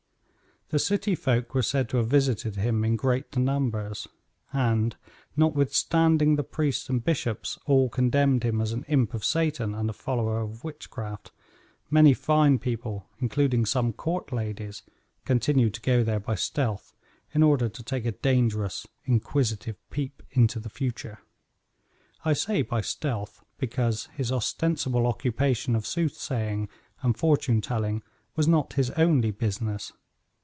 The city folk were said to have visited him in great numbers, and, notwithstanding the priests and bishops all condemned him as an imp of Satan and a follower of witchcraft, many fine people, including some court ladies, continued to go there by stealth in order to take a dangerous, inquisitive peep into the future. I say by stealth; because his ostensible occupation of soothsaying and fortune telling was not his only business.